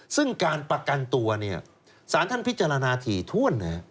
ซึ่งการประกันตัวสารท่านพิจารณาถี่ถ้วน